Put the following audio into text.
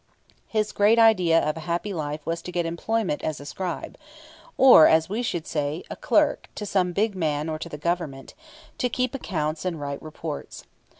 His great idea of a happy life was to get employment as a scribe, or, as we should say, a clerk, to some big man or to the Government, to keep accounts and write reports.